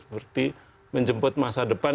seperti menjemput masa depan